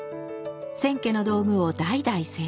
千家の道具を代々製作。